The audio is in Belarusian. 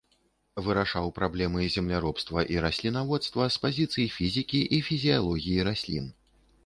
Вырашаў праблемы земляробства і раслінаводства з пазіцый фізікі і фізіялогіі раслін.